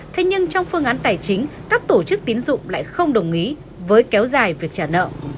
thế nhưng trong phương án tài chính các tổ chức tín dụng lại không đồng ý với kéo dài việc trả nợ